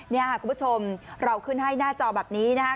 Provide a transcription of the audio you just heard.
นี่ค่ะคุณผู้ชมเราขึ้นให้หน้าจอแบบนี้นะครับ